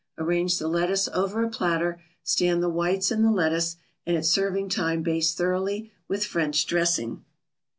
Arrange the lettuce over a platter, stand the whites in the lettuce, and at serving time baste thoroughly with French dressing.